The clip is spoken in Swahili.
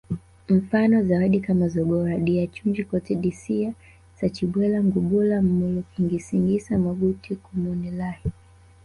Mfano zawadi kama zogoro dya chunji koti dya sachibwela ngubula mlomokisingisa magutwi kumwonelahi